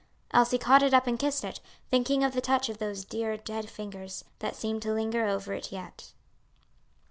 Elsie caught it up and kissed it, thinking of the touch of those dear dead fingers, that seemed to linger over it yet.